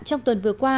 trong tuần vừa qua